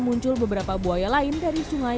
muncul beberapa buaya lain dari sungai